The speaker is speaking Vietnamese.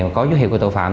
mà có dấu hiệu của tội phạm